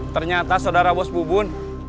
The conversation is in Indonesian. ternyata sodara bos bubun